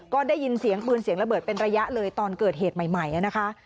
ก็ได้ยินเสียงปืนเสียงระเบิดเป็นระยะเลยตอนเกิดเหตุใหม่นะคะ